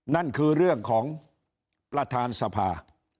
นั่นคือเรื่องของประธานสภา